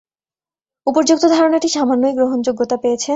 উপর্যুক্ত ধারণাটি সামান্যই গ্রহণযোগ্যতা পেয়েছে।